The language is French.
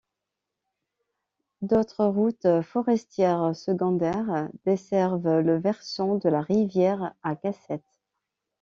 D’autres routes forestières secondaires desservent le versant de la rivière à Cassette.